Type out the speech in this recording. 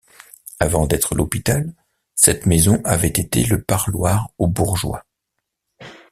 Avant d’être l’hôpital, cette maison avait été le parloir aux bourgeois.